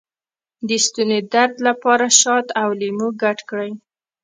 د ستوني درد لپاره شات او لیمو ګډ کړئ